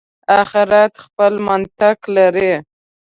آخرت خپل منطق لري.